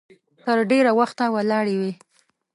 تر ډېره وخته ولاړې وي.